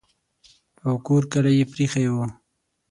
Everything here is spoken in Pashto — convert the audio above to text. او کور کلی یې پرې ایښی وو.